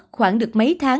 mẹ m mất khoảng được mấy tháng